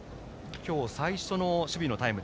今日最初の守備のタイム。